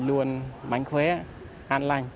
luôn mạnh khỏe an lành